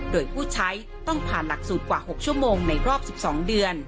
โดยผู้ใช้ต้องผ่านหลักสูตรกว่า๖ชั่วโมงในรอบ๑๒เดือน